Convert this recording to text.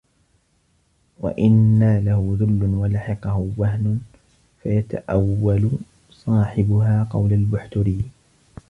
وَإِنْ نَالَهُ ذُلٌّ وَلَحِقَهُ وَهْنٌ فَيَتَأَوَّلُ صَاحِبُهَا قَوْلَ الْبُحْتُرِيِّ